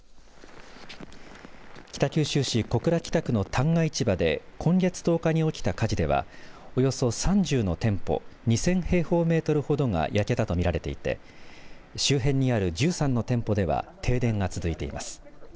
北九州市小倉北区の旦過市場で今月１０日に起きた火事ではおよそ３０の店舗２０００平方メートルほどが焼けたと見られていて周辺にある１３の店舗では停電が続いています。